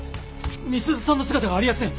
美鈴さんの姿がありやせん。